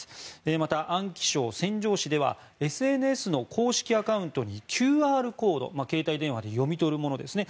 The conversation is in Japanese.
また、安徽省宣城市ではＳＮＳの公式アカウントにＱＲコード携帯電話で読み取るものですね